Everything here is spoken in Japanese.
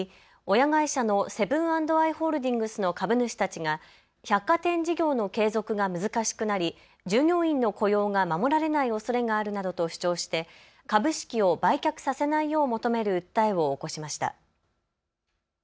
親会社のセブン＆アイ・ホールディングスの株主たちが百貨店事業の継続が難しくなり従業員の雇用が守られないおそれがあるなどと主張して株式を売却させないよう求める訴えを起こしました。